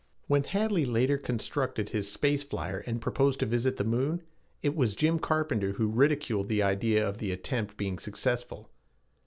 When Hadley later constructed his space flyer and proposed to visit the moon, it was Jim Carpenter who ridiculed the idea of the attempt being successful.